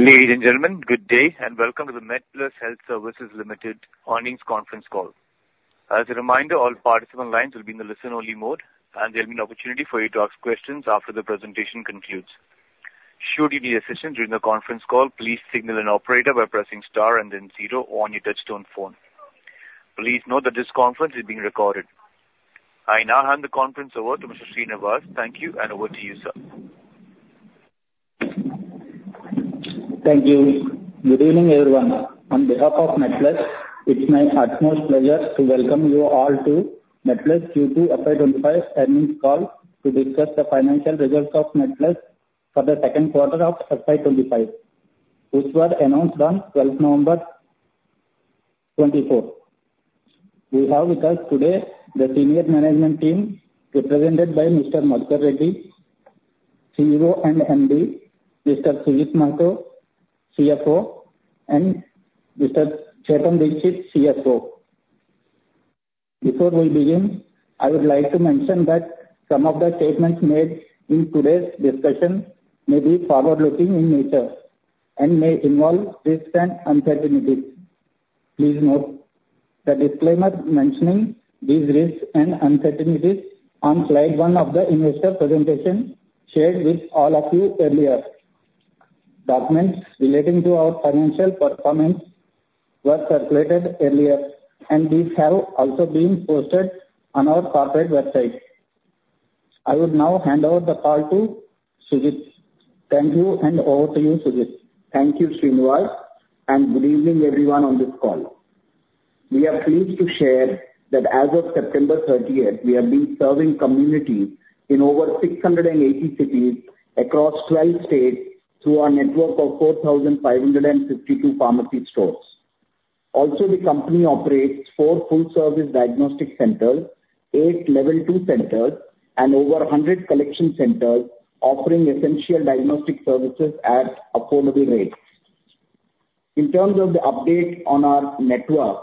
Ladies and gentlemen, good day and welcome to the MedPlus Health Services Limited earnings conference call. As a reminder, all participant lines will be in the listen-only mode, and there will be an opportunity for you to ask questions after the presentation concludes. Should you need assistance during the conference call, please signal an operator by pressing star and then zero on your touch-tone phone. Please note that this conference is being recorded. I now hand the conference over to Mr. Srinivas. Thank you, and over to you, sir. Thank you. Good evening, everyone. On behalf of MedPlus, it's my utmost pleasure to welcome you all to MedPlus Q2 FY25 earnings call to discuss the financial results of MedPlus for the second quarter of FY25, which were announced on 12th November 2024. We have with us today the senior management team represented by Mr. Madhukar Reddy, CEO and MD, Mr. Sujit Mahato, CFO, and Mr. Chetan Dikshit, CSO. Before we begin, I would like to mention that some of the statements made in today's discussion may be forward-looking in nature and may involve risks and uncertainties. Please note the disclaimer mentioning these risks and uncertainties on slide one of the investor presentation shared with all of you earlier. Documents relating to our financial performance were circulated earlier, and these have also been posted on our corporate website. I would now hand over the call to Sujit. Thank you, and over to you, Sujit. Thank you, Srinivas, and good evening, everyone, on this call. We are pleased to share that as of September 30th, we have been serving communities in over 680 cities across 12 states through our network of 4,552 pharmacy stores. Also, the company operates four full-service diagnostic centers, eight Level 2 centers, and over 100 collection centers offering essential diagnostic services at affordable rates. In terms of the update on our network,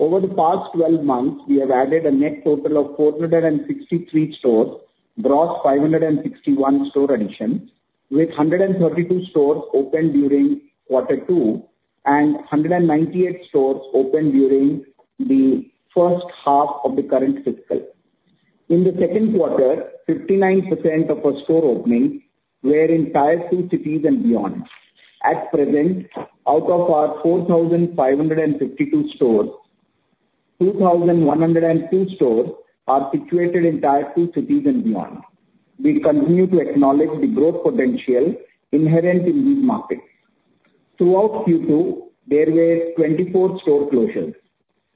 over the past 12 months, we have added a net total of 463 stores, gross 561 store additions, with 132 stores opened during quarter two and 198 stores opened during the first half of the current fiscal. In the second quarter, 59% of our store openings were in Tier 2 cities and beyond. At present, out of our 4,552 stores, 2,102 stores are situated in Tier 2 cities and beyond. We continue to acknowledge the growth potential inherent in these markets. Throughout Q2, there were 24 store closures.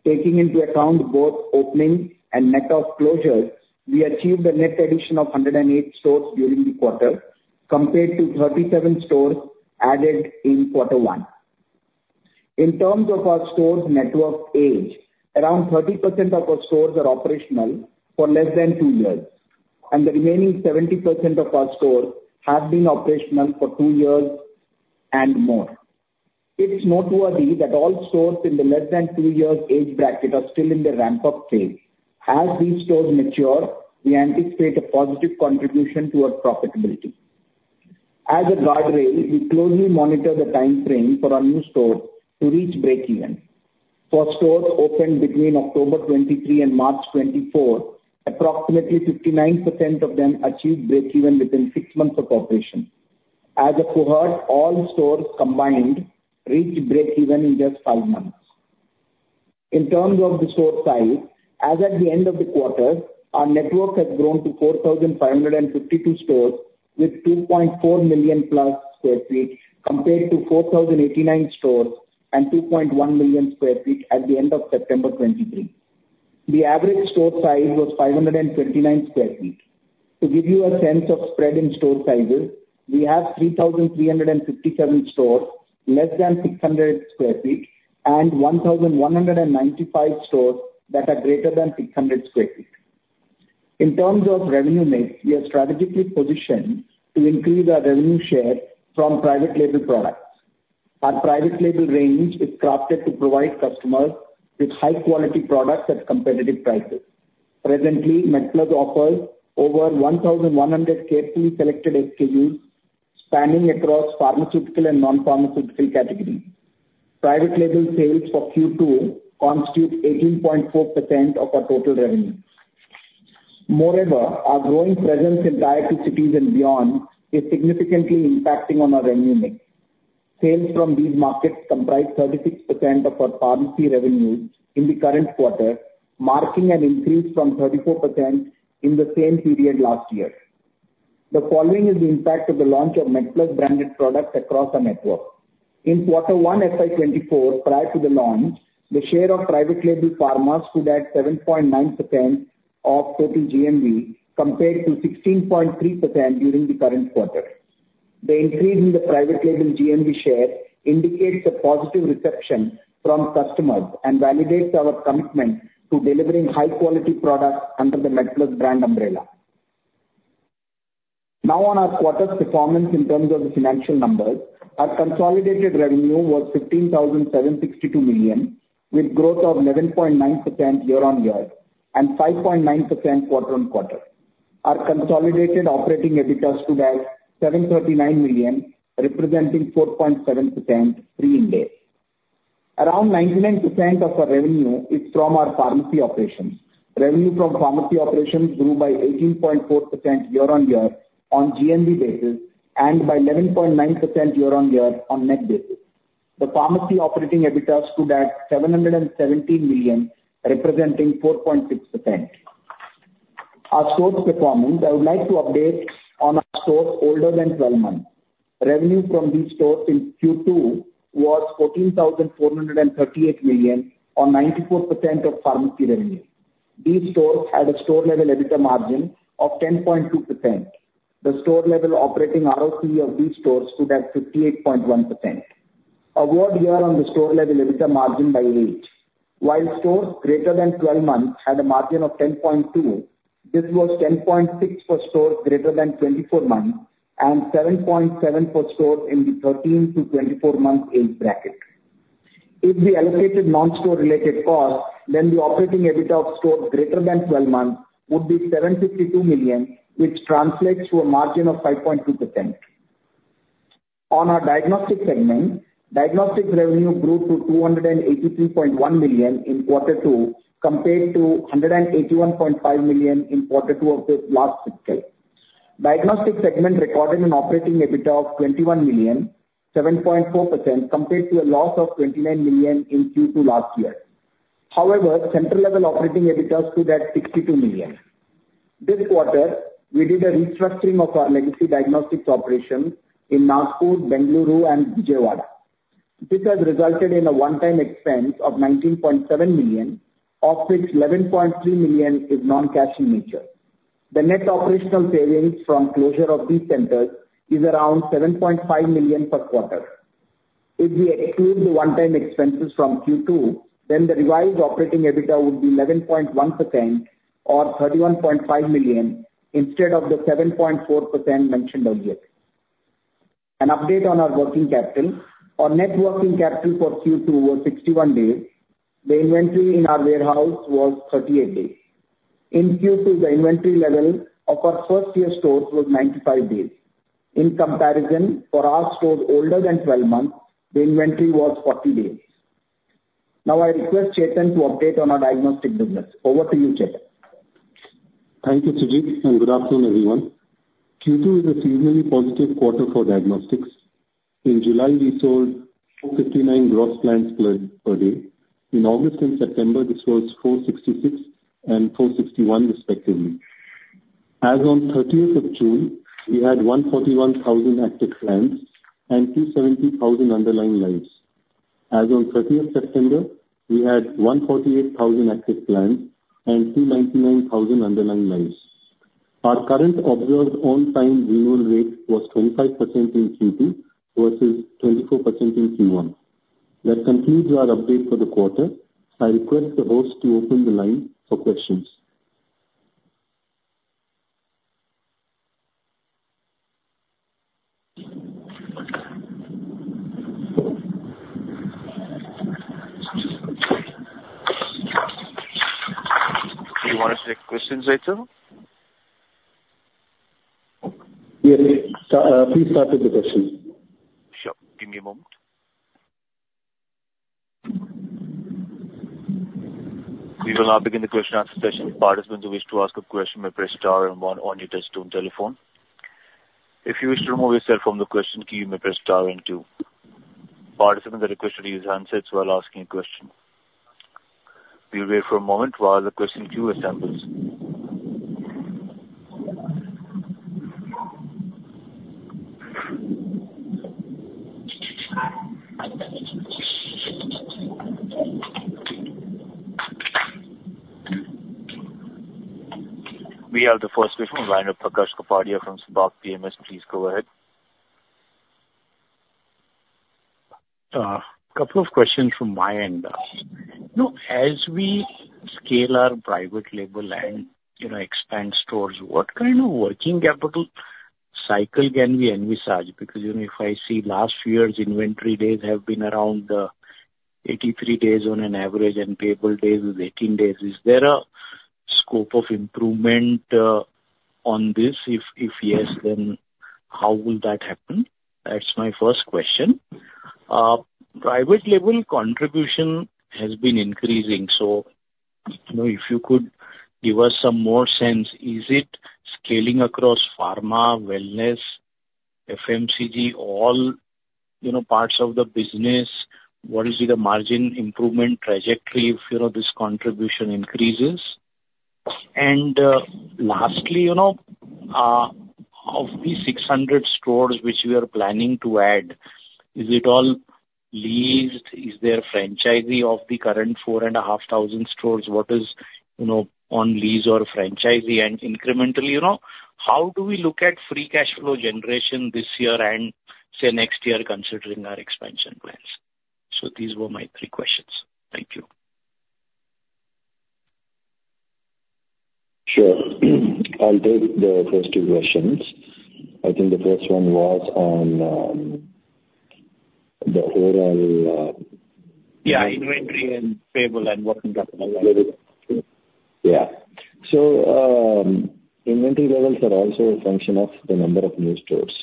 Taking into account both openings and net of closures, we achieved a net addition of 108 stores during the quarter, compared to 37 stores added in quarter one. In terms of our stores' network age, around 30% of our stores are operational for less than two years, and the remaining 70% of our stores have been operational for two years and more. It's noteworthy that all stores in the less than two years age bracket are still in the ramp-up phase. As these stores mature, we anticipate a positive contribution to our profitability. As a guardrail, we closely monitor the time frame for our new stores to reach break-even. For stores opened between October 2023 and March 2024, approximately 59% of them achieved break-even within six months of operation. As a cohort, all stores combined reached break-even in just five months. In terms of the store size, as at the end of the quarter, our network has grown to 4,552 stores with 2.4 million plus sq ft, compared to 4,089 stores and 2.1 million sq ft at the end of September 2023. The average store size was 529 sq ft. To give you a sense of spread in store sizes, we have 3,357 stores, less than 600 sq ft, and 1,195 stores that are greater than 600 sq ft. In terms of revenue mix, we are strategically positioned to increase our revenue share from private-label products. Our private-label range is crafted to provide customers with high-quality products at competitive prices. Presently, MedPlus offers over 1,100 carefully selected SKUs spanning across pharmaceutical and non-pharmaceutical categories. Private-label sales for Q2 constitute 18.4% of our total revenue. Moreover, our growing presence in Tier 2 cities and beyond is significantly impacting our revenue mix. Sales from these markets comprise 36% of our pharmacy revenues in the current quarter, marking an increase from 34% in the same period last year. The following is the impact of the launch of MedPlus branded products across our network. In quarter one FY24, prior to the launch, the share of private-label pharma could add 7.9% of total GMV, compared to 16.3% during the current quarter. The increase in the private-label GMV share indicates a positive reception from customers and validates our commitment to delivering high-quality products under the MedPlus brand umbrella. Now, on our quarter's performance in terms of the financial numbers, our consolidated revenue was 15,762 million, with growth of 11.9% year-on-year and 5.9% quarter-on-quarter. Our consolidated operating EBITDA stood at 739 million, representing 4.7% Pre-Ind AS. Around 99% of our revenue is from our pharmacy operations. Revenue from pharmacy operations grew by 18.4% year-on-year on GMV basis and by 11.9% year-on-year on net basis. The pharmacy operating EBITDA stood at 717 million, representing 4.6%. Our stores' performance. I would like to update on our stores older than 12 months. Revenue from these stores in Q2 was 14,438 million, or 94% of pharmacy revenue. These stores had a store-level EBITDA margin of 10.2%. The store-level operating ROCE of these stores stood at 58.1%. A word here on the store-level EBITDA margin by age. While stores greater than 12 months had a margin of 10.2%, this was 10.6% for stores greater than 24 months and 7.7% for stores in the 13- to 24-month age bracket. If we allocated non-store-related costs, then the operating EBITDA of stores greater than 12 months would be 752 million, which translates to a margin of 5.2%. On our diagnostic segment, diagnostic revenue grew to 283.1 million in quarter two, compared to 181.5 million in quarter two of the last fiscal. Diagnostic segment recorded an operating EBITDA of 21 million, 7.4%, compared to a loss of 29 million in Q2 last year. However, central-level operating EBITDA stood at 62 million. This quarter, we did a restructuring of our legacy diagnostics operations in Nagpur, Bengaluru, and Vijayawada. This has resulted in a one-time expense of 19.7 million, of which 11.3 million is non-cash in nature. The net operational savings from closure of these centers is around 7.5 million per quarter. If we exclude the one-time expenses from Q2, then the revised operating EBITDA would be 11.1% or 31.5 million instead of the 7.4% mentioned earlier. An update on our working capital. Our net working capital for Q2 was 61 days. The inventory in our warehouse was 38 days. In Q2, the inventory level of our first-year stores was 95 days. In comparison, for our stores older than 12 months, the inventory was 40 days. Now, I request Chetan to update on our diagnostic business. Over to you, Chetan. Thank you, Sujit, and good afternoon, everyone. Q2 is a seasonally positive quarter for diagnostics. In July, we sold 459 gross plans per day. In August and September, this was 466 and 461, respectively. As of 30th of June, we had 141,000 active plans and 270,000 underlying lives. As of 30th of September, we had 148,000 active plans and 299,000 underlying lives. Our current observed on-time renewal rate was 25% in Q2 versus 24% in Q1. That concludes our update for the quarter. I request the host to open the line for questions. Do you want to take questions right now? Yes. Please start with the question. Sure. Give me a moment. We will now begin the question-and-answer session. Participants who wish to ask a question may press star and one on your touch-tone telephone. If you wish to remove yourself from the question queue, you may press star and two. Participants are requested to use handsets while asking a question. We'll wait for a moment while the question queue assembles. We have the first question from the line of Prakash Kapadia from Spark PMS. Please go ahead. A couple of questions from my end. As we scale our private-label and expand stores, what kind of working capital cycle can we envisage? Because if I see last year's inventory days have been around 83 days on an average and payable days with 18 days, is there a scope of improvement on this? If yes, then how will that happen? That's my first question. Private-label contribution has been increasing. So if you could give us some more sense, is it scaling across pharma, wellness, FMCG, all parts of the business? What is the margin improvement trajectory if this contribution increases? And lastly, of the 600 stores which we are planning to add, is it all leased? Is there franchisee of the current 4,500 stores? What is on lease or franchisee? Incrementally, how do we look at free cash flow generation this year and, say, next year considering our expansion plans? These were my three questions. Thank you. Sure. I'll take the first two questions. I think the first one was on the overall. Yeah, inventory and payable and what can happen. Yeah. So inventory levels are also a function of the number of new stores.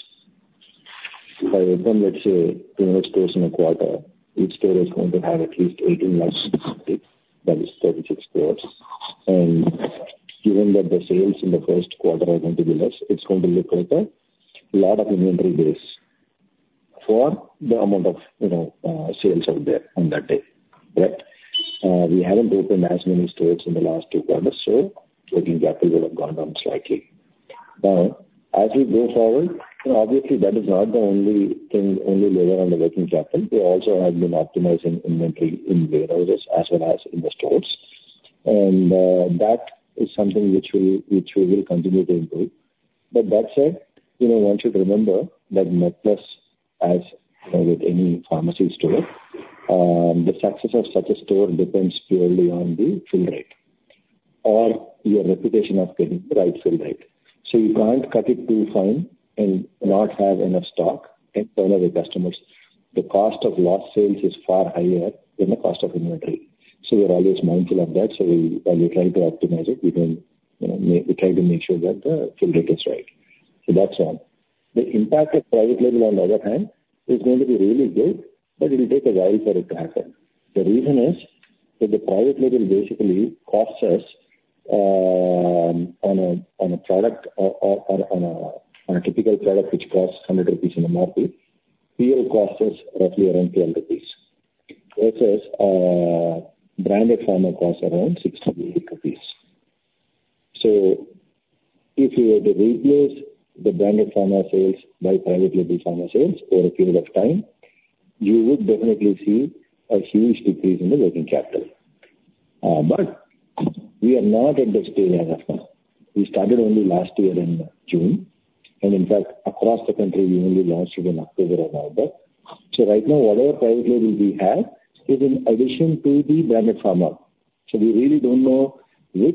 If I open, let's say, 200 stores in a quarter, each store is going to have at least 18,000, that is 36 stores. And given that the sales in the first quarter are going to be less, it's going to look like a lot of inventory base for the amount of sales out there on that day. Right? We haven't opened as many stores in the last two quarters, so working capital would have gone down slightly. Now, as we go forward, obviously, that is not the only thing, only labor on the working capital. We also have been optimizing inventory in warehouses as well as in the stores. And that is something which we will continue to improve. But that said, one should remember that MedPlus, as with any pharmacy store, the success of such a store depends purely on the fill rate or your reputation of getting the right fill rate. So you can't cut it too fine and not have enough stock and turn away customers. The cost of lost sales is far higher than the cost of inventory. So we're always mindful of that. So when we try to optimize it, we try to make sure that the fill rate is right. So that's one. The impact of private label, on the other hand, is going to be really good, but it'll take a while for it to happen. The reason is that the private label basically costs us on a product or on a typical product which costs 100 rupees in MRP, PL costs us roughly around 12 rupees. Versus a branded pharma costs around 68 rupees. So if you were to replace the branded pharma sales by private-label pharma sales over a period of time, you would definitely see a huge decrease in the working capital. But we are not at the tail end yet. We started only last year in June. And in fact, across the country, we only launched it in October or November. So right now, whatever private label we have is in addition to the branded pharma. So we really don't know you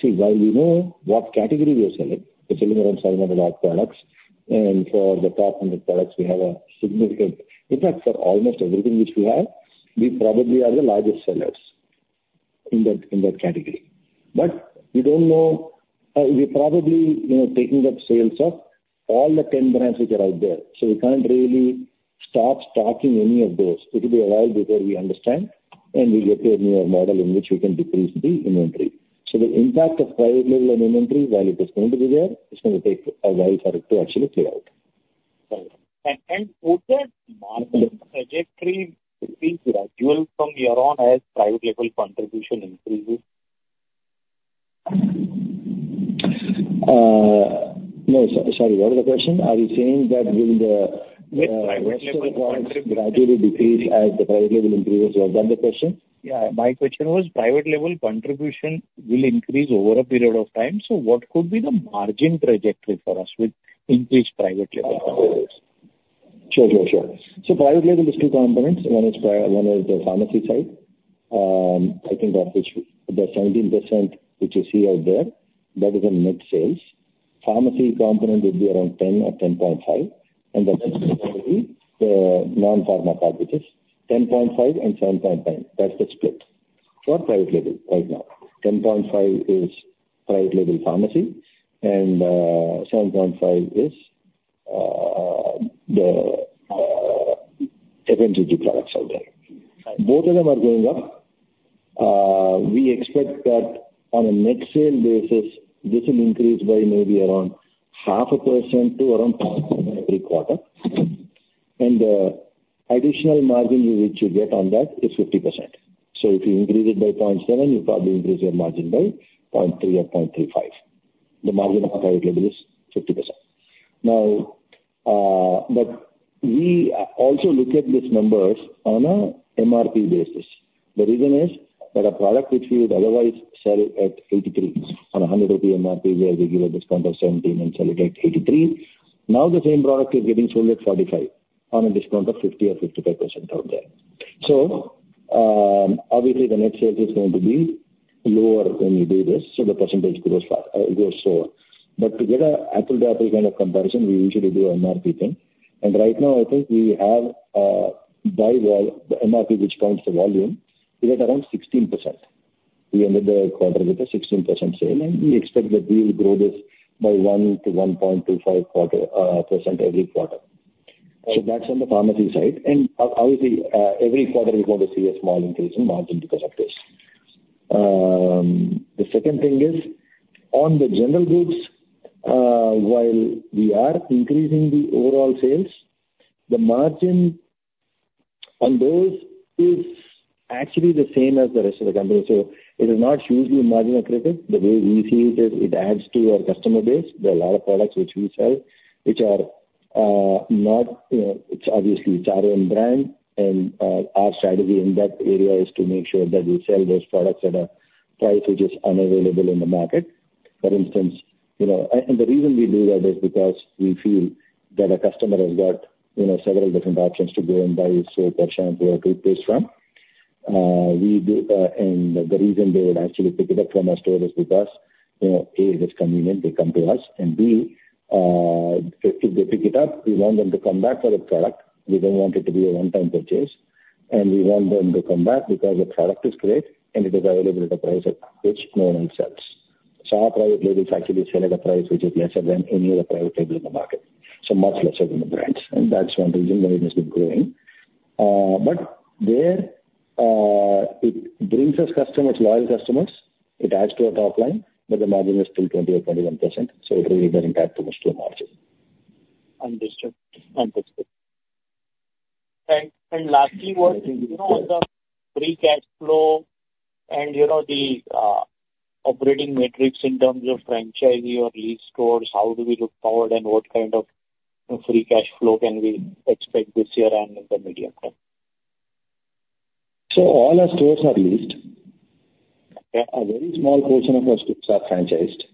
see, while we know what category we are selling, we're selling around 700-odd products. And for the top 100 products, we have a significant impact for almost everything which we have. We probably are the largest sellers in that category. But we don't know. We're probably taking up sales of all the 10 brands which are out there. So we can't really stop stocking any of those. It will be a while before we understand, and we'll get to a newer model in which we can decrease the inventory. So the impact of private label and inventory, while it is going to be there, it's going to take a while for it to actually play out. Would that market trajectory be gradual from year-on as private label contribution increases? No, sorry. What was the question? Are you saying that will the private label products gradually decrease as the private label increases? Was that the question? Yeah. My question was private label contribution will increase over a period of time. So what could be the margin trajectory for us with increased private label contributions? Sure, sure, sure. So private label is two components. One is the pharmacy side, I think, of which the 17% which you see out there, that is on net sales. Pharmacy component would be around 10 or 10.5. And the non-pharma part, which is 10.5 and 7.9. That's the split for private label right now. 10.5 is private label pharmacy, and 7.5 is the FMCG products out there. Both of them are going up. We expect that on a net sales basis, this will increase by maybe around 0.5% to around every quarter. And the additional margin which you get on that is 50%. So if you increase it by 0.7, you probably increase your margin by 0.3 or 0.35. The margin of private label is 50%. Now, but we also look at these numbers on an MRP basis. The reason is that a product which we would otherwise sell at 83 on a 100 rupee MRP, where we give a discount of 17 and sell it at 83, now the same product is getting sold at 45 on a discount of 50 or 55% out there. So obviously, the net sales is going to be lower when we do this, so the percentage grows slower. But to get an apple-to-apple kind of comparison, we usually do an MRP thing. And right now, I think we have by MRP, which counts the volume, we're at around 16%. We ended the quarter with a 16% sale, and we expect that we will grow this by 1 to 1.25% every quarter. So that's on the pharmacy side. And obviously, every quarter, we're going to see a small increase in margin because of this. The second thing is, on the general goods, while we are increasing the overall sales, the margin on those is actually the same as the rest of the company. So it is not hugely margin-accretive. The way we see it is it adds to our customer base. There are a lot of products which we sell which are not obviously our own brand. And our strategy in that area is to make sure that we sell those products at a price which is unbeatable in the market. For instance, and the reason we do that is because we feel that a customer has got several different options to go and buy soap or shampoo or toothpaste from. And the reason they would actually pick it up from our store is because, A, it is convenient. They come to us. And B, if they pick it up, we want them to come back for the product. We don't want it to be a one-time purchase. And we want them to come back because the product is great, and it is available at a price at which no one else sells. So our private label is actually selling at a price which is lesser than any other private label in the market, so much lesser than the brands. And that's one reason why it has been growing. But there, it brings us customers, loyal customers. It adds to our top line, but the margin is still 20% or 21%. So it really doesn't add too much to the margin. Understood. Understood. And lastly, what on the free cash flow and the operating matrix in terms of franchisee or leased stores, how do we look forward, and what kind of free cash flow can we expect this year and in the medium term? So all our stores are leased. A very small portion of our stores are franchised.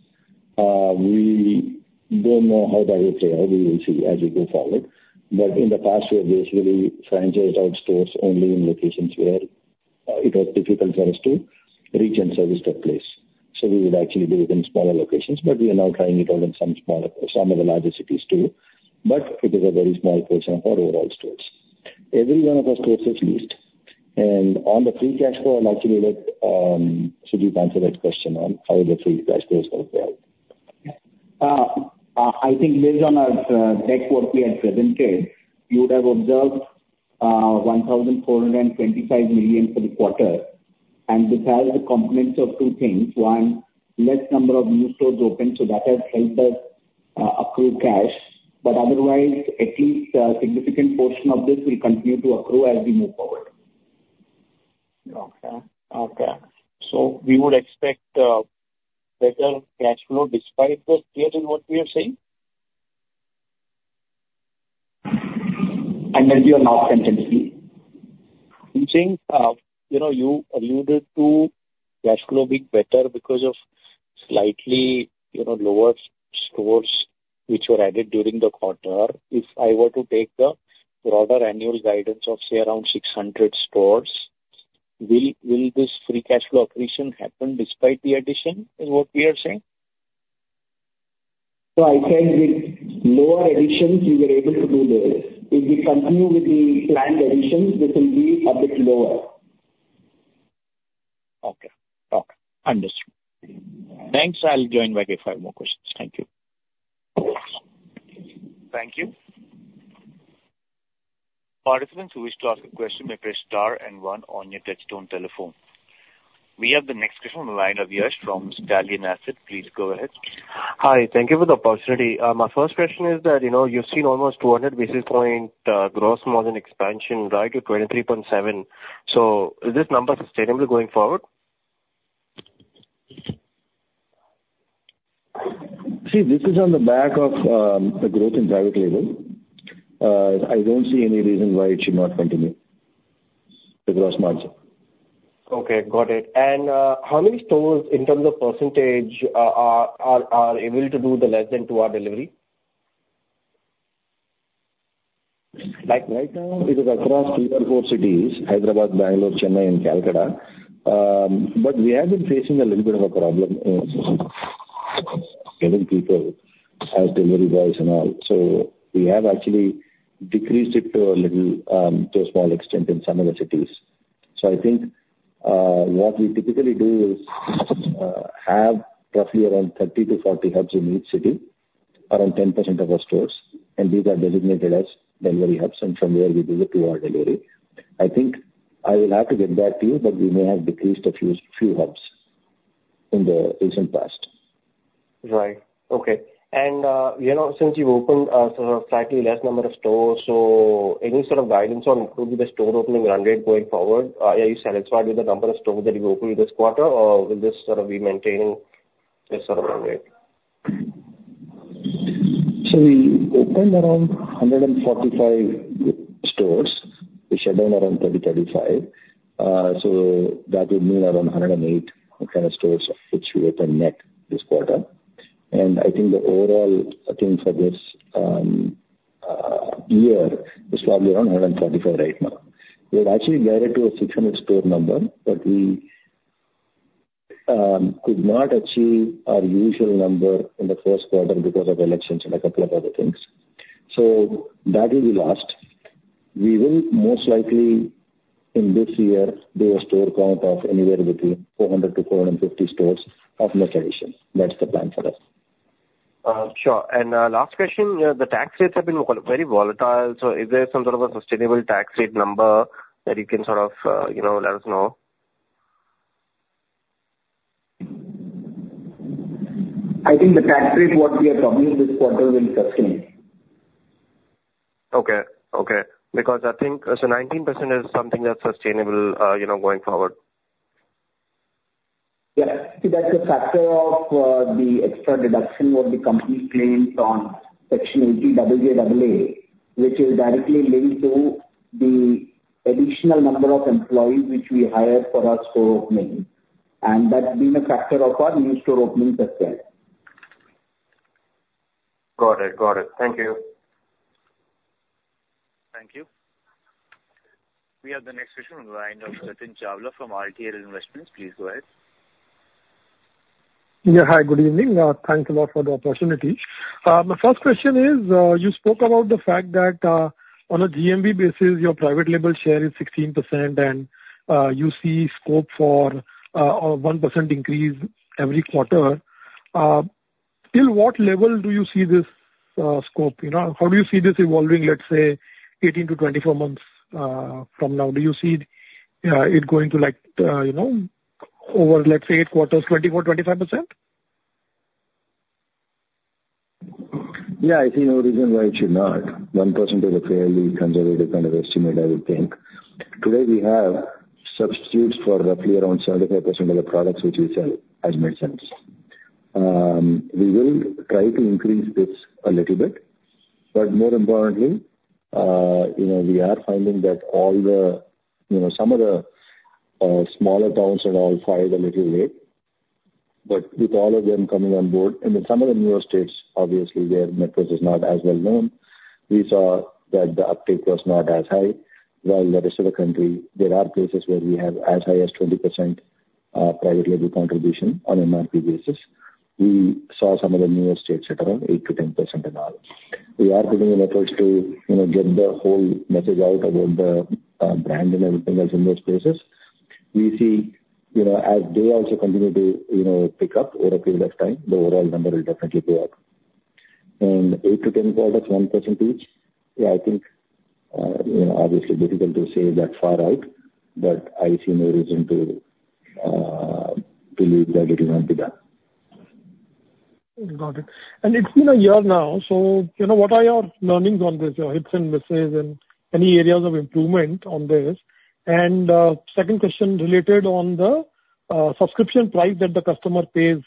We don't know how that will play out. We will see as we go forward. But in the past, we have basically franchised out stores only in locations where it was difficult for us to reach and service the place. So we would actually do it in smaller locations. But we are now trying it out in some of the larger cities too. But it is a very small portion of our overall stores. Every one of our stores is leased. And on the free cash flow, I'm actually led to you to answer that question on how the free cash flow is going to play out. I think based on the deck we had presented, you would have observed 1,425 million for the quarter. And this has the components of two things. One, less number of new stores open, so that has helped us accrue cash. But otherwise, at least a significant portion of this will continue to accrue as we move forward. Okay. So we would expect better cash flow despite the state in what we are seeing? I'm ready to ask that question. You're saying you alluded to cash flow being better because of slightly lower stores which were added during the quarter. If I were to take the broader annual guidance of, say, around 600 stores, will this free cash flow accretion happen despite the addition? Is what we are saying? So I said with lower additions, we were able to do this. If we continue with the planned additions, this will be a bit lower. Okay. Okay. Understood. Thanks. I'll join back if I have more questions. Thank you. Thank you. Participants who wish to ask a question may press star and one on your touch-tone telephone. We have the next question from the line of Yash from Stallion Asset. Please go ahead. Hi. Thank you for the opportunity. My first question is that you've seen almost 200 basis points gross margin expansion right to 23.7%. So is this number sustainable going forward? See, this is on the back of the growth in private label. I don't see any reason why it should not continue the gross margin. Okay. Got it. And how many stores in terms of percentage are able to do the less than two-hour delivery? Right now, it is across three or four cities: Hyderabad, Bangalore, Chennai, and Calcutta. But we have been facing a little bit of a problem getting people as delivery boys and all. So we have actually decreased it to a small extent in some of the cities. So I think what we typically do is have roughly around 30-40 hubs in each city, around 10% of our stores. And these are designated as delivery hubs, and from there, we do the two-hour delivery. I think I will have to get back to you, but we may have decreased a few hubs in the recent past. Right. Okay. And since you've opened sort of slightly less number of stores, so any sort of guidance on who will be the store opening run rate going forward? Are you satisfied with the number of stores that you've opened this quarter, or will this sort of be maintaining this sort of run rate? So we opened around 145 stores. We shut down around 30, 35. So that would mean around 108 kind of stores which we opened net this quarter. And I think the overall thing for this year is probably around 145 right now. We've actually got it to a 600-store number, but we could not achieve our usual number in the first quarter because of elections and a couple of other things. So that will be lost. We will most likely in this year do a store count of anywhere between 400 to 450 stores of net addition. That's the plan for us. Sure, and last question. The tax rates have been very volatile. So is there some sort of a sustainable tax rate number that you can sort of let us know? I think the tax rate what we are talking about this quarter will sustain. Okay. Because I think so, 19% is something that's sustainable going forward. Yeah. See, that's a factor of the extra deduction of the company claims on Section 80JJAA, which is directly linked to the additional number of employees which we hired for our store opening. And that's been a factor of our new store openings as well. Got it. Got it. Thank you. Thank you. We have the next question from the line of Jatin Chawla from RTL Investments. Please go ahead. Yeah. Hi. Good evening. Thanks a lot for the opportunity. My first question is, you spoke about the fact that on a GMV basis, your private label share is 16%, and you see scope for a 1% increase every quarter. Till what level do you see this scope? How do you see this evolving, let's say, 18-24 months from now? Do you see it going to over, let's say, eight quarters, 24%-25%? Yeah. I see no reason why it should not. 1% is a fairly conservative kind of estimate, I would think. Today, we have substitutes for roughly around 75% of the products which we sell in the medicine segment. We will try to increase this a little bit. But more importantly, we are finding that the uptake in some of the smaller towns is a little low. But with all of them coming on board and in some of the newer states, obviously, where network is not as well known, we saw that the uptake was not as high. While in the rest of the country, there are places where we have as high as 20% private label contribution on an MRP basis. We saw some of the newer states at around 8%-10% and all. We are putting in efforts to get the whole message out about the brand and everything else in those places. We see as they also continue to pick up over a period of time, the overall number will definitely go up, and eight to 10 quarters, 1% each, yeah, I think obviously difficult to say that far out, but I see no reason to believe that it will not be done. Got it. And it's year now. So what are your learnings on this, your hits and misses and any areas of improvement on this? And second question related on the subscription price that the customer pays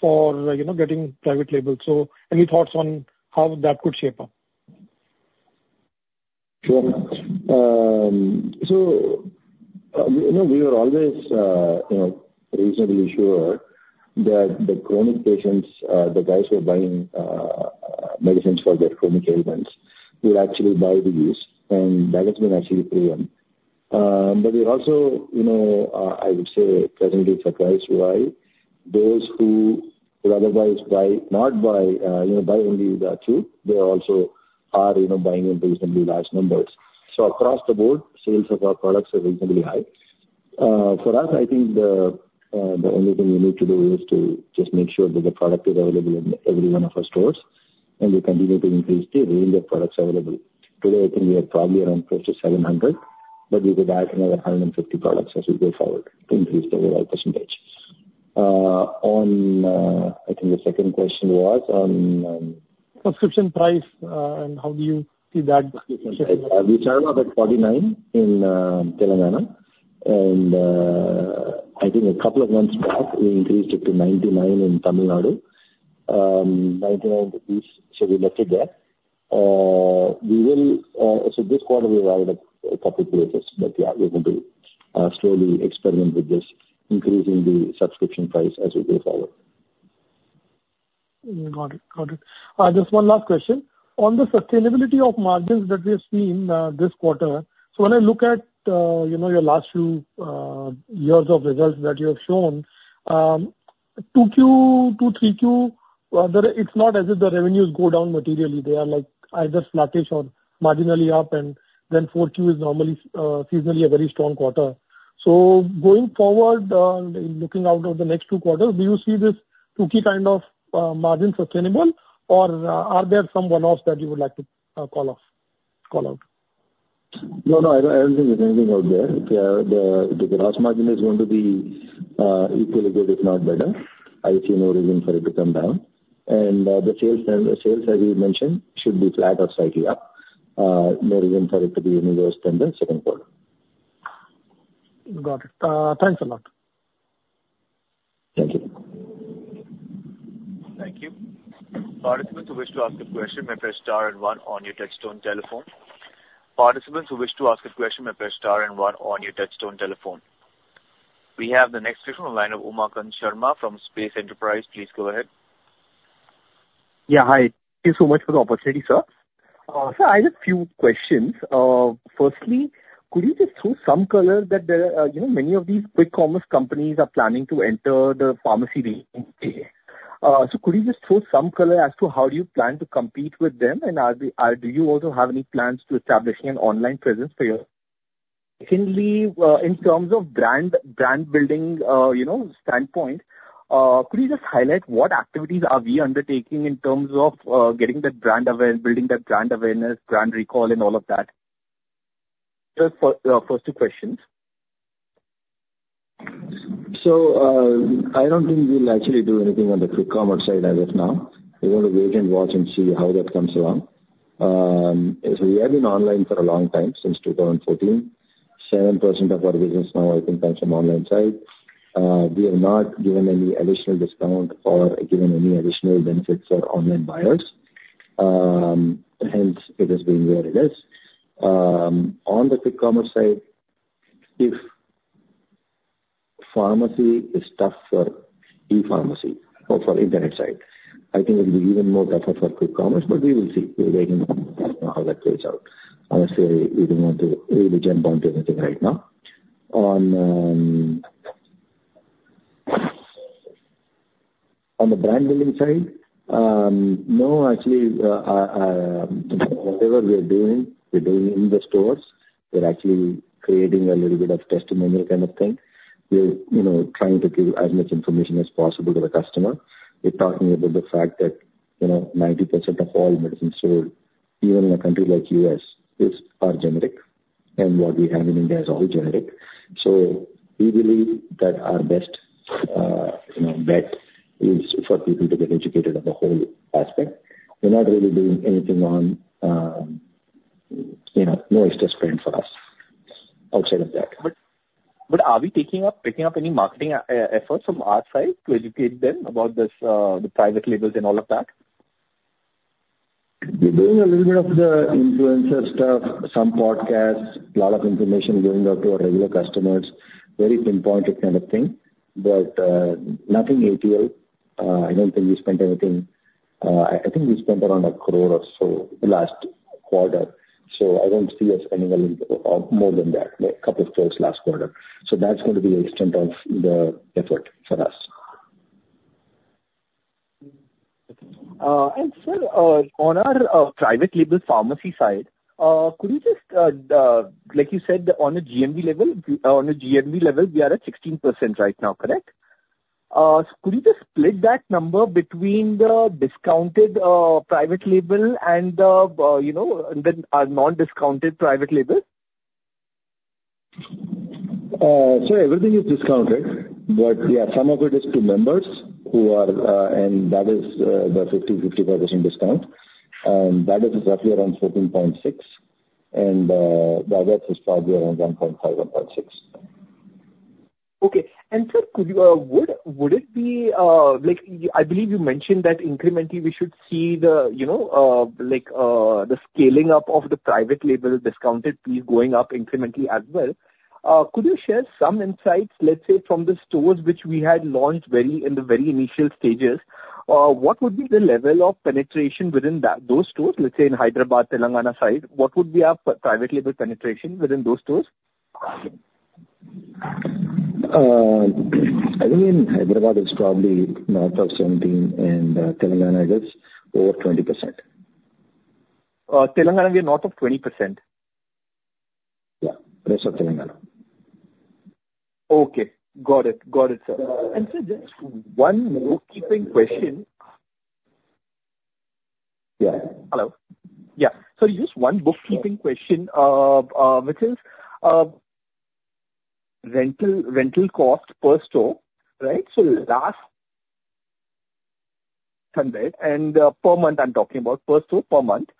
for getting private label. So any thoughts on how that could shape up? Sure. So we were always reasonably sure that the chronic patients, the guys who are buying medicines for their chronic ailments, would actually buy from us. And that has been actually proven. But we're also, I would say, pleasantly surprised that those who would otherwise not buy or buy only OTC, they also are buying in reasonably large numbers. So across the board, sales of our products are reasonably high. For us, I think the only thing we need to do is to just make sure that the product is available in every one of our stores and we continue to increase the range of products available. Today, I think we are probably around close to 700, but we could add another 150 products as we go forward to increase the overall percentage. On, I think the second question was on. Subscription price and how do you see that? We started off at 49 in Telangana. I think a couple of months back, we increased it to 99 in Tamil Nadu, 99 rupees. So we left it there. This quarter, we arrived at a couple of places, but yeah, we're going to slowly experiment with this, increasing the subscription price as we go forward. Got it. Got it. Just one last question. On the sustainability of margins that we have seen this quarter, so when I look at your last few years of results that you have shown, 2Q, 2, 3Q, it's not as if the revenues go down materially. They are either sluggish or marginally up, and then 4Q is normally seasonally a very strong quarter. So going forward, looking out of the next two quarters, do you see this 2Q kind of margin sustainable, or are there some one-offs that you would like to call out? No, no. I don't think there's anything out there. The gross margin is going to be equally good, if not better. I see no reason for it to come down. And the sales that we mentioned should be flat or slightly up. No reason for it to be any worse than the second quarter. Got it. Thanks a lot. Thank you. Participants who wish to ask a question may press star and one on your touch-tone telephone. We have the next question from the line of Umakant Sharma from SAFE Enterprises. Please go ahead. Yeah. Hi. Thank you so much for the opportunity, sir. Sir, I have a few questions. Firstly, could you just throw some color on that many of these quick commerce companies are planning to enter the pharmacy range? So could you just throw some color as to how do you plan to compete with them? And do you also have any plans to establish an online presence for your? Secondly, in terms of brand building standpoint, could you just highlight what activities are we undertaking in terms of getting that brand aware, building that brand awareness, brand recall, and all of that? Just first two questions. So I don't think we'll actually do anything on the quick commerce side as of now. We're going to wait and watch and see how that comes along. So we have been online for a long time, since 2014. 7% of our business now, I think, comes from online side. We have not given any additional discount or given any additional benefits for online buyers. Hence, it has been where it is. On the quick commerce side, if pharmacy is tough for e-pharmacy or for internet side, I think it will be even more tougher for quick commerce. But we will see. We're waiting to see how that plays out. Honestly, we don't want to really jump onto anything right now. On the brand building side, no, actually, whatever we're doing, we're doing in the stores. We're actually creating a little bit of testimonial kind of thing. We're trying to give as much information as possible to the customer. We're talking about the fact that 90% of all medicines sold, even in a country like the U.S., are generic. And what we have in India is all generic. So we believe that our best bet is for people to get educated on the whole aspect. We're not really doing anything on no extra spend for us outside of that. But are we taking up any marketing efforts from our side to educate them about the private labels and all of that? We're doing a little bit of the influencer stuff, some podcasts, a lot of information going out to our regular customers, very pinpointed kind of thing. But nothing ATL. I don't think we spent anything. I think we spent around 1 crore or so last quarter. So I don't see us spending more than that, a couple of crores last quarter. So that's going to be the extent of the effort for us. And sir, on our private label pharmacy side, could you just, like you said, on a GMV level, on a GMV level, we are at 16% right now, correct? So could you just split that number between the discounted private label and then our non-discounted private label? So everything is discounted. But yeah, some of it is to members who are, and that is the 15%-55% discount. And that is roughly around 14.6. And the other is probably around 1.5-1.6. Okay. And sir, would it be? I believe you mentioned that incrementally we should see the scaling up of the private label discounted piece going up incrementally as well. Could you share some insights, let's say, from the stores which we had launched in the very initial stages? What would be the level of penetration within those stores? Let's say in Hyderabad, Telangana side, what would be our private label penetration within those stores? I think in Hyderabad, it's probably north of 17%, and Telangana is over 20%. Telangana, we are north of 20%. Yeah. The rest of Telangana. Okay. Got it. Got it, sir. And sir, just one bookkeeping question. Yeah. Hello? Yeah. Sorry, just one bookkeeping question, which is rental cost per store, right? So last Sunday, and per month, I'm talking about per store, per month.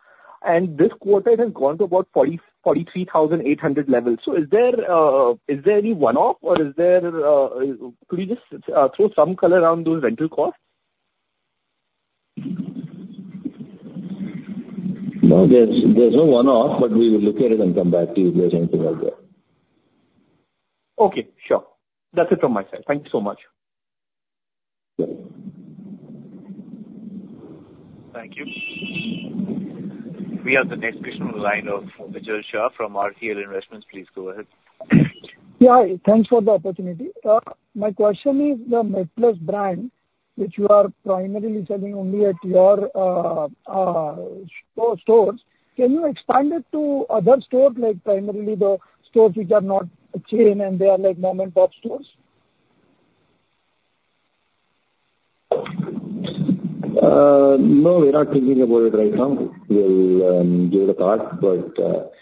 And this quarter, it has gone to about 43,800 level. So is there any one-off, or could you just throw some color around those rental costs? No, there's no one-off, but we will look at it and come back to you if there's anything out there. Okay. Sure. That's it from my side. Thank you so much. Good. Thank you. We have the next question on the line of Mitul Shah from RCL Investments. Please go ahead. Yeah. Thanks for the opportunity. My question is, the MedPlus brand, which you are primarily selling only at your stores, can you expand it to other stores, like primarily the stores which are not a chain and they are like mom-and-pop stores? No, we're not thinking about it right now. We'll give it a thought. But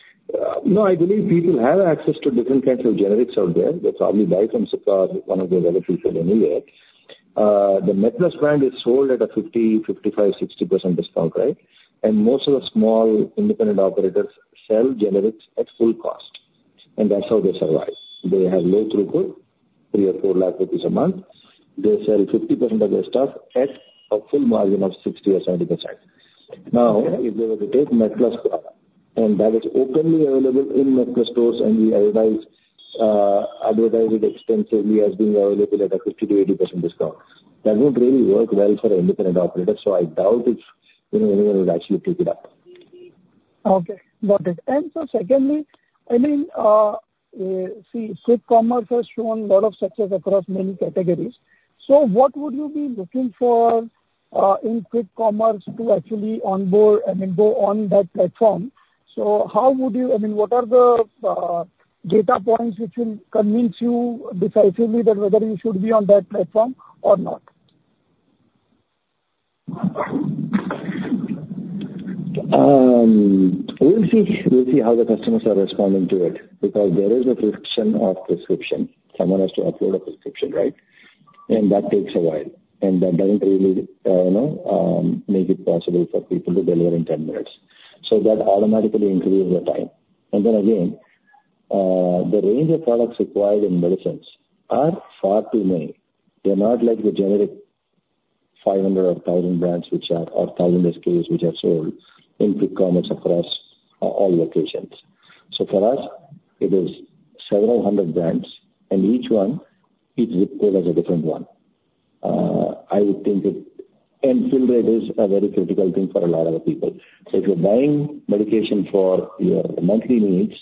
no, I believe people have access to different kinds of generics out there. They probably buy from stockists, one of the other people anyway. The MedPlus brand is sold at a 50%, 55%, 60% discount, right? And most of the small independent operators sell generics at full cost. And that's how they survive. They have low throughput, 3 or 4 lakh rupees a month. They sell 50% of their stuff at a full margin of 60% or 70%. Now, if they were to take MedPlus product, and that is openly available in MedPlus stores, and we advertise it extensively as being available at a 50%-80% discount, that won't really work well for an independent operator. So I doubt if anyone would actually pick it up. Okay. Got it. And so secondly, I mean, see, quick commerce has shown a lot of success across many categories. So what would you be looking for in quick commerce to actually onboard and go on that platform? So how would you, I mean, what are the data points which will convince you decisively that whether you should be on that platform or not? We'll see how the customers are responding to it because there is a prescription or off-prescription. Someone has to upload a prescription, right, and that takes a while, and that doesn't really make it possible for people to deliver in 10 minutes, so that automatically increases the time, and then again, the range of products required in medicines are far too many. They're not like the generic 500 or 1,000 brands or 1,000 SKUs which are sold in quick commerce across all locations, so for us, it is several hundred brands, and each one is recorded as a different one. I would think that, and fill rate is a very critical thing for a lot of people, so if you're buying medication for your monthly needs,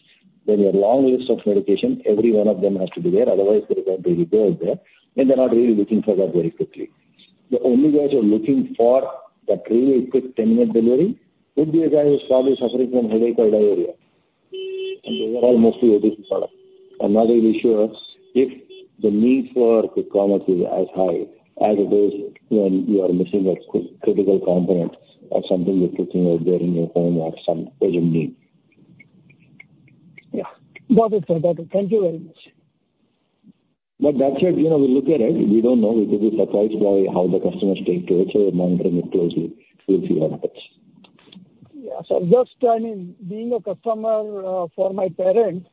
then you have a long list of medication. Every one of them has to be there. Otherwise, they won't really go out there. And they're not really looking for that very quickly. The only guys who are looking for that really quick 10-minute delivery would be a guy who's probably suffering from headache or diarrhea. And they are mostly OTC products. I'm not really sure if the need for quick commerce is as high as it is when you are missing a critical component or something you're picking out there in your home or some urgent need. Yeah. Got it, sir. Got it. Thank you very much. But that's it. We look at it. We don't know. We could be surprised by how the customers take to it. So we're monitoring it closely. We'll see what happens. Yeah. So just, I mean, being a customer for my parents,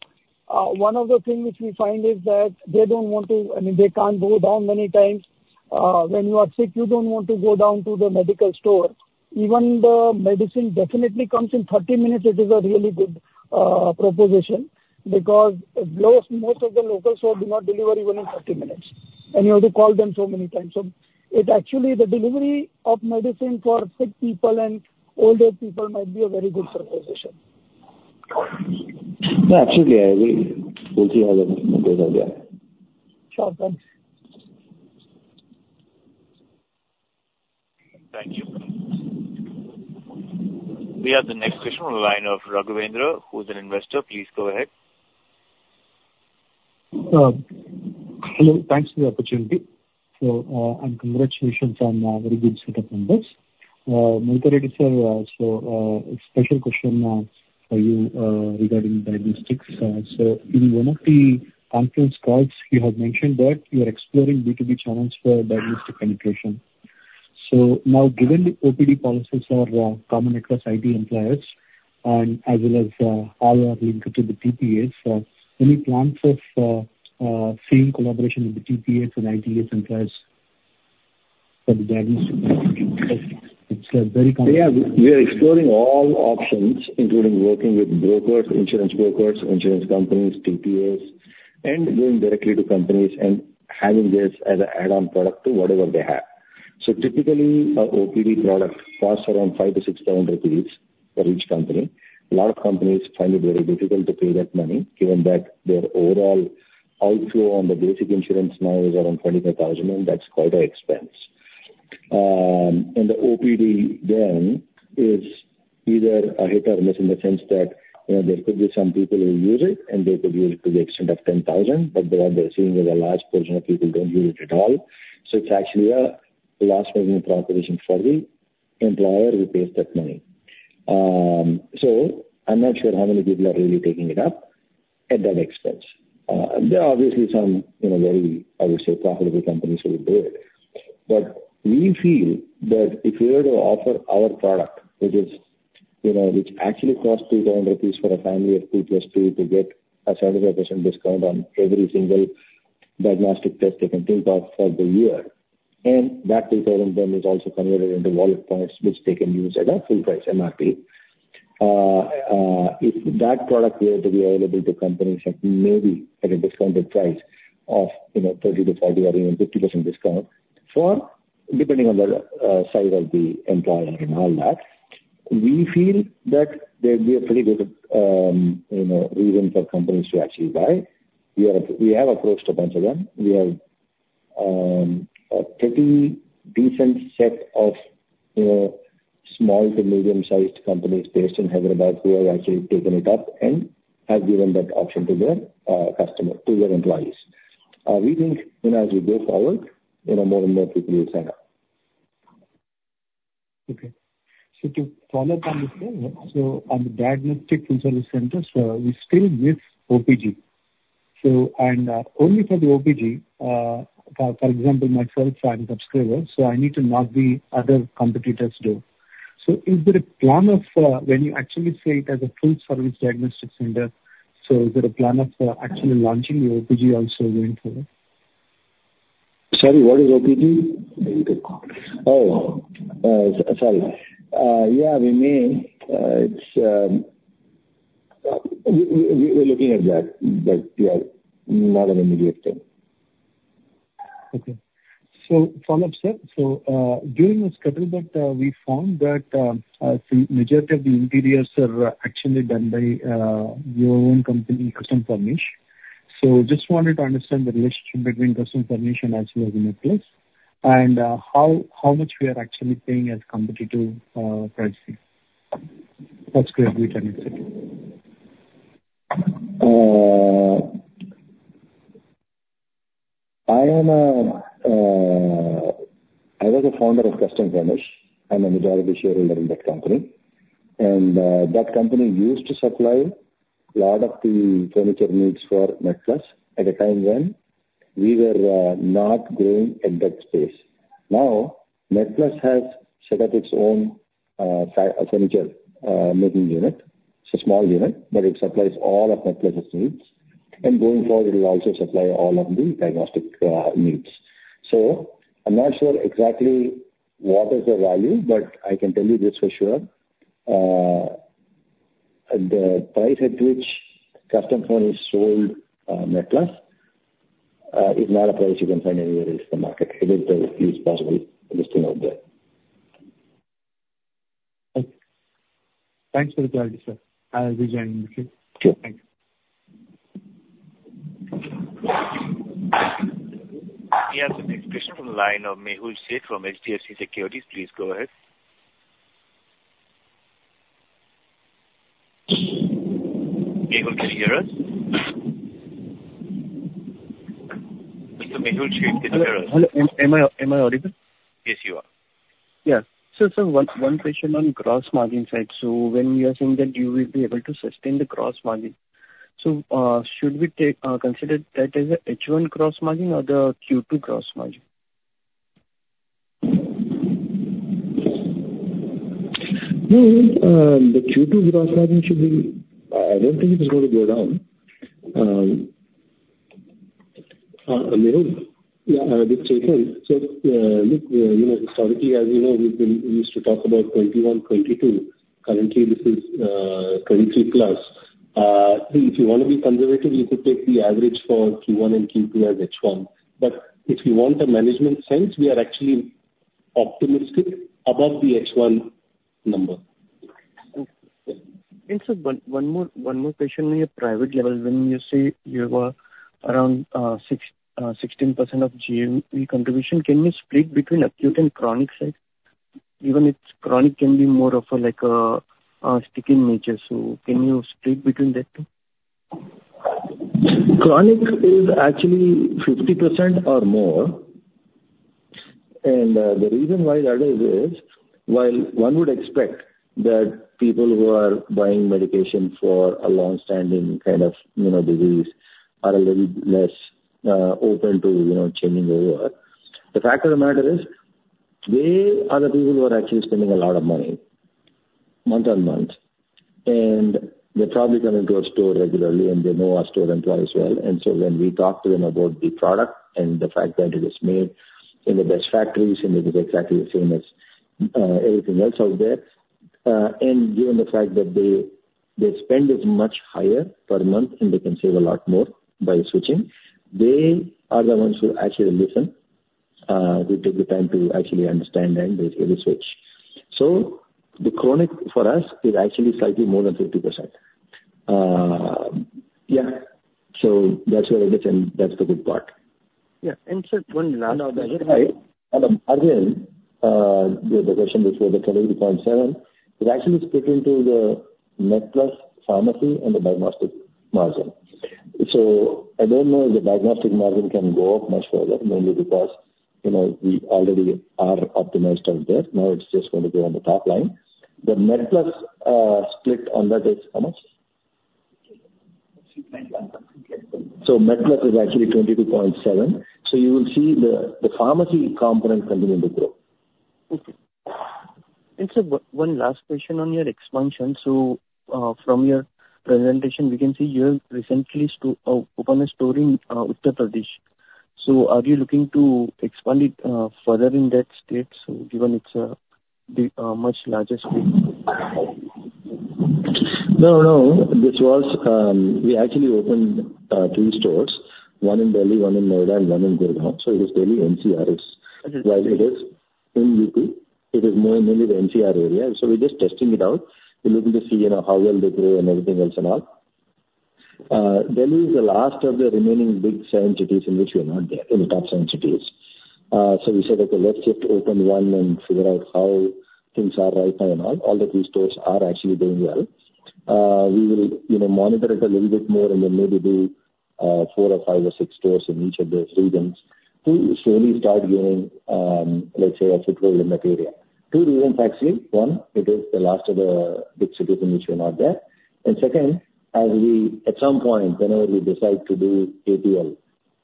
one of the things which we find is that they don't want to, I mean, they can't go down many times. When you are sick, you don't want to go down to the medical store. Even the medicine definitely comes in 30 minutes. It is a really good proposition because most of the local stores do not deliver even in 30 minutes. And you have to call them so many times. So actually, the delivery of medicine for sick people and older people might be a very good proposition. Yeah. Absolutely. I agree. We'll see how that goes out there. Sure. Thanks. Thank you. We have the next question on the line of Raghavendra, who is an investor. Please go ahead. Hello. Thanks for the opportunity. So congratulations on a very good set of numbers. Madhukar Reddy sir, so a special question for you regarding diagnostics. So in one of the conference calls, you have mentioned that you are exploring B2B channels for diagnostic penetration. So now, given the OPD policies are common across IT employers, and as well as all are linked to the TPAs, any plans of seeing collaboration with the TPAs and IT employers for the diagnostic? It's a very complex. Yeah. We are exploring all options, including working with brokers, insurance brokers, insurance companies, TPAs, and going directly to companies and having this as an add-on product to whatever they have. So typically, an OPD product costs around 5,000-6,000 rupees for each company. A lot of companies find it very difficult to pay that money given that their overall outflow on the basic insurance now is around 25,000, and that's quite an expense. And the OPD then is either a hit or miss in the sense that there could be some people who use it, and they could use it to the extent of 10,000, but what they're seeing is a large portion of people don't use it at all. So it's actually a loss-making proposition for the employer who pays that money. So I'm not sure how many people are really taking it up at that expense. There are obviously some very, I would say, profitable companies who would do it. But we feel that if we were to offer our product, which actually costs 2,000 rupees for a family of two plus two to get a 75% discount on every single diagnostic test they can think of for the year, and that 2,000 then is also converted into wallet points, which they can use at a full-price MRP, if that product were to be available to companies maybe at a discounted price of 30%-40% or even 50% discount, depending on the size of the employer and all that, we feel that there'd be a pretty good reason for companies to actually buy. We have approached a bunch of them. We have a pretty decent set of small to medium-sized companies based in Hyderabad who have actually taken it up and have given that option to their customers, to their employees. We think as we go forward, more and more people will sign up. Okay. So to follow up on this then, so on the diagnostic full-service centers, we're still with OPG. And only for the OPG, for example, myself, I'm a subscriber, so I need to know what the other competitors do. So is there a plan of when you actually say it as a full-service diagnostic center? So is there a plan of actually launching the OPG also going forward? Sorry, what is OPG? Oh. Sorry. Yeah, we may. We're looking at that, but yeah, not an immediate thing. Okay. So follow up, sir. So during this couple of months, we found that some majority of the interiors are actually done by your own company, CustomFurnish. So just wanted to understand the relationship between CustomFurnish and MedPlus and how much we are actually paying as competitive pricing. That's great. We can execute. I was a founder of CustomFurnish. I'm a majority shareholder in that company, and that company used to supply a lot of the furniture needs for MedPlus at a time when we were not growing at that space. Now, MedPlus has set up its own furniture making unit. It's a small unit, but it supplies all of MedPlus's needs, and going forward, it will also supply all of the diagnostic needs, so I'm not sure exactly what is the value, but I can tell you this for sure. The price at which CustomFurnish sold MedPlus is not a price you can find anywhere else in the market. It is the least possible pricing out there. Okay. Thanks for the clarity, sir. I'll be joining the queue. Sure. Thanks. We have the next question from the line of Mehul Sheth from HDFC Securities. Please go ahead. Mehul, can you hear us? Mr. Mehul Sheth, can you hear us? Hello. Am I audible? Yes, you are. Yeah. So sir, one question on gross margin side. So when you are saying that you will be able to sustain the gross margin, so should we consider that as an H1 gross margin or the Q2 gross margin? No, the Q2 gross margin should be. I don't think it's going to go down. Mehul, yeah, I'll just say this. So look, historically, as you know, we used to talk about 21%, 22%. Currently, this is 23% plus. If you want to be conservative, you could take the average for Q1 and Q2 as H1. But if you want a management sense, we are actually optimistic above the H1 number. Sir, one more question on your private label. When you say you have around 16% of GMV contribution, can you split between acute and chronic side? Even if chronic can be more of a sticky nature, so can you split between that two? Chronic is actually 50% or more. And the reason why that is, while one would expect that people who are buying medication for a long-standing kind of disease are a little less open to changing over, the fact of the matter is there are people who are actually spending a lot of money month on month. And they're probably coming to our store regularly, and they know our store employees well. And so when we talk to them about the product and the fact that it is made in the best factories, and it is exactly the same as everything else out there, and given the fact that they spend much higher per month, and they can save a lot more by switching, they are the ones who actually listen, who take the time to actually understand and basically switch. So the chronic for us is actually slightly more than 50%. Yeah. So that's where I get in. That's the good part. Yeah. And, sir, one last question. Now, again, the question before the 20.7% is actually split into the MedPlus pharmacy and the diagnostic margin. So I don't know if the diagnostic margin can go up much further, mainly because we already are optimized out there. Now it's just going to go on the top line. The MedPlus split on that is how much? So MedPlus is actually 22.7%. So you will see the pharmacy component continuing to grow. Okay. And sir, one last question on your expansion. So from your presentation, we can see you have recently opened a store in Uttar Pradesh. So are you looking to expand it further in that state, given it's a much larger space? No, no. We actually opened two stores, one in Delhi, one in Noida, and one in Gurgaon. So it is Delhi NCR's. While it is in UP, it is more mainly the NCR area. So we're just testing it out. We're looking to see how well they grow and everything else and all. Delhi is the last of the remaining big seven cities in which we are not there, in the top seven cities. So we said, "Okay, let's just open one and figure out how things are right now and all." All that these stores are actually doing well. We will monitor it a little bit more and then maybe do four or five or six stores in each of those regions to slowly start gaining, let's say, a footprint in that area. Two reasons, actually. One, it is the last of the big cities in which we are not there. And second, at some point, whenever we decide to do ATL,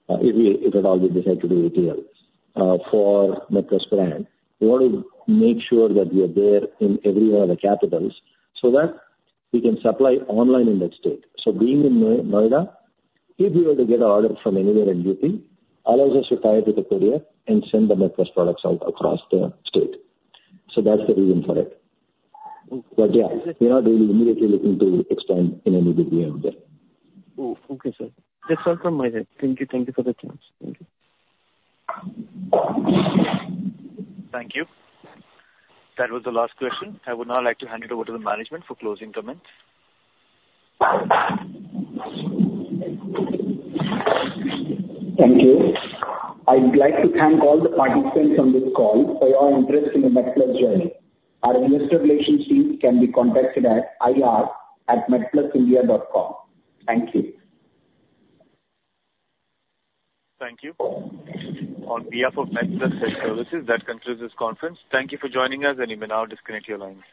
if at all we decide to do ATL for MedPlus brand, we want to make sure that we are there in every one of the capitals so that we can supply online in that state. So being in Noida, if we were to get an order from anywhere in UP, allows us to tie it with a courier and send the MedPlus products out across the state. So that's the reason for it. But yeah, we're not really immediately looking to expand in any big way out there. Oh, okay, sir. That's all from my side. Thank you. Thank you for the chance. Thank you. That was the last question. I would now like to hand it over to the management for closing comments. Thank you. I'd like to thank all the participants on this call for your interest in the MedPlus journey. Our investor relations team can be contacted at ir@medplusindia.com. Thank you. Thank you. On behalf of MedPlus Health Services, that concludes this conference. Thank you for joining us, and you may now disconnect your line.